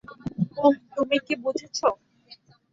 ওহ তুমি কি বুঝেছো?